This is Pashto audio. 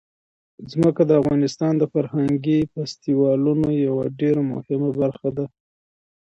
ځمکه د افغانستان د فرهنګي فستیوالونو یوه ډېره مهمه برخه ده.